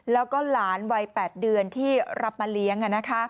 แล้วก็หลานวัย๘เดือนที่รับมาเลี้ยง